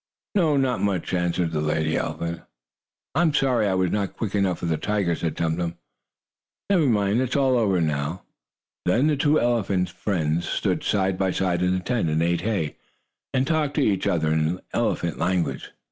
"No, not much," answered the lady elephant. "I'm sorry I was not quick enough for the tiger," said Tum Tum. "Never mind, it is all over now." Then the two elephant friends stood side by side in the tent and ate hay and talked to each other in elephant language.